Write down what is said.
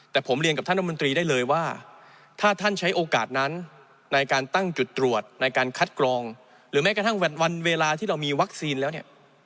แต่ผมเรียนกับท่านรัฐมนตรีได้เลยว่าถ้าท่านใช้โอกาสนั้นในการตั้งจุดตรวจในการคัดกรองหรือแม้กระทั่งวันเวลาที่เรามีวัคซีนแล้วเนี่ย